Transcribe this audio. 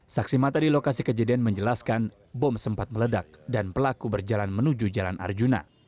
saksi mata di lokasi kejadian menjelaskan bom sempat meledak dan pelaku berjalan menuju jalan arjuna